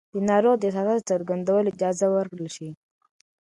د ناروغ د احساساتو څرګندولو اجازه ورکړل شي.